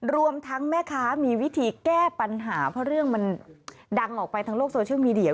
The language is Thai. รวมทั้งแม่ค้ามีวิธีแก้ปัญหาเพราะเรื่องมันดังออกไปทางโลกโซเชียลมีเดีย